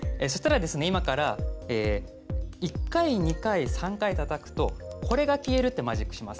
今から１回、２回、３回たたくとこれが消えるというマジックをします。